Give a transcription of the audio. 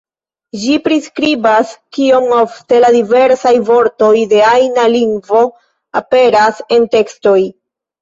Ĝi priskribas kiom ofte la diversaj vortoj de ajna lingvo aperas en tekstoj.